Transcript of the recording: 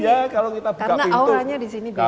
ini karena auranya di sini beda ya